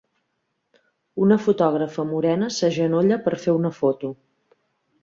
Una fotògrafa morena s'agenolla per fer una foto.